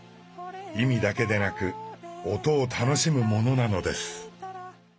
意味だけでなく音を楽しむものなのです。